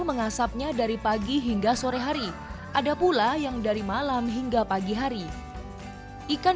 mengasapnya dari pagi hingga sore hari ada pula yang dari malam hingga pagi hari ikan